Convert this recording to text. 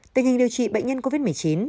tình hình điều trị bệnh nhân covid một mươi chín